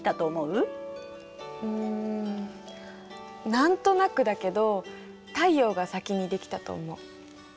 うん何となくだけど太陽が先にできたと思う。